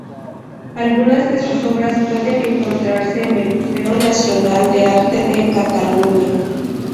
Algunas de sus obras pueden encontrarse en el Museo Nacional de Arte de Cataluña.